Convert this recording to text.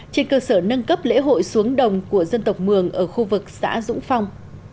trên cơ sở nâng cấp lễ hội xuống đồng của dân tộc mường ở khu vực xã dũng phong